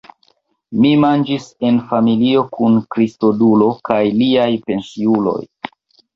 Mi manĝis en familio kun Kristodulo kaj liaj pensiuloj.